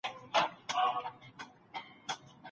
ستا ناڼي ولي تويېږي ؟